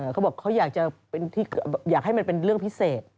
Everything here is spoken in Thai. เขาบอกเขาอยากให้มันเป็นเรื่องพิเศษ